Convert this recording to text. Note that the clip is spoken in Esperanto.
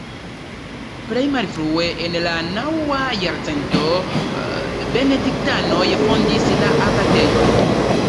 Plej malfrue en la naŭa jarcento Benediktanoj fondis la abatejon.